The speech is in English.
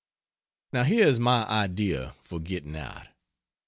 Now here is my idea for getting out.